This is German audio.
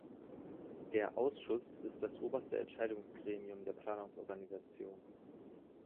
Der „Ausschuss“ ist das oberste Entscheidungsgremium der Planungsorganisation.